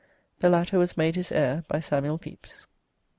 The latter was made his heir by Samuel Pepys.